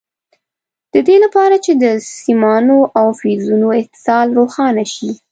د دې لپاره چې د سیمانو او فیوزونو اتصال روښانه شي.